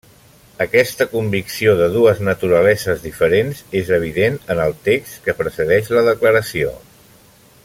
Aquesta convicció de dues naturaleses diferents és evident en el text que precedeix la declaració.